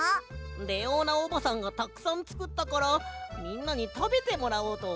レオーナおばさんがたくさんつくったからみんなにたべてもらおうとおもってさ。